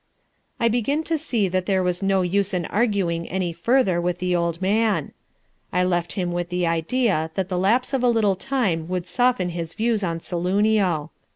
I began to see that there was no use in arguing any further with the old man. I left him with the idea that the lapse of a little time would soften his views on Saloonio.